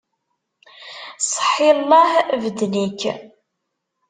Seḥḥi llah, beden-ik!